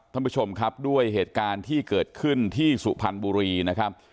ท่านผู้ชมครับด้วยเหตุการณ์ที่เกิดขึ้นที่สุพรรณบุรีนะครับ